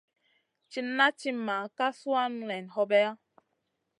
Cina timma ka suanu nen hobeya.